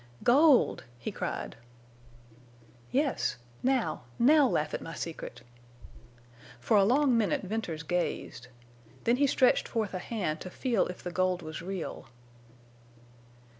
"Gold!" he cried. "Yes. Now—now laugh at my secret!" For a long minute Venters gazed. Then he stretched forth a hand to feel if the gold was real.